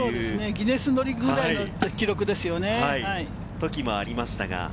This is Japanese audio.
ギネス載りぐらいの記録ですよね。